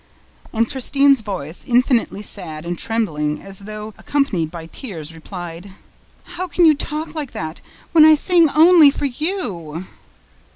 And Christine's voice, infinitely sad and trembling, as though accompanied by tears, replied: "How can you talk like that? WHEN I SING ONLY FOR YOU!"